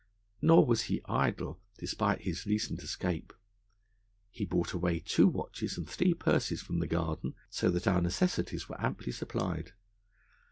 Nor was he idle, despite his recent escape: he brought away two watches and three purses from the Garden, so that our necessities were amply supplied.